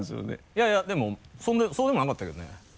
いやいやでもそうでもなかったけどね。